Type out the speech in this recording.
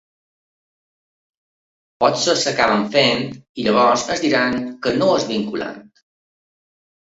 Potser l’acabem fent i llavors ens diran que no és vinculant.